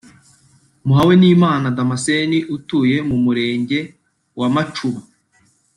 Muhawenimana Damascène utuye mu Murenge wa Macuba